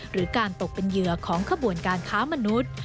หรือการตกเป็นเหยื่อของขบวนการค้ามนุษย์